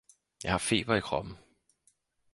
Jeg har feber i kroppen